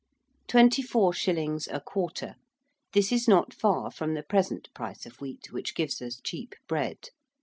~24 shillings a quarter~: this is not far from the present price of wheat, which gives us cheap bread.